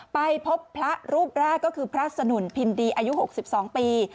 ไปพบพระรูปแรกก็คือพระสนุนพิมพ์ดีอายุหกสิบสองปี